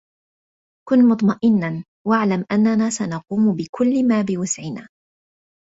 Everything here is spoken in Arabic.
كن مطمئنا و اعلم أننا سنقوم بكل ما بوسعنا.